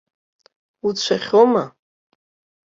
Уцәахьоума?